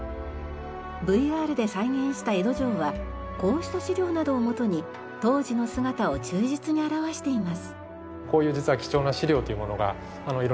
ＶＲで再現した江戸城はこうした資料などをもとに当時の姿を忠実に表しています。